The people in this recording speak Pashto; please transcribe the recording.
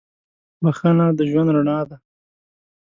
• بخښنه د ژوند رڼا ده.